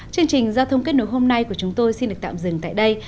chương trình giao thông kết nối hôm nay của chúng tôi xin được tạm dừng tại đây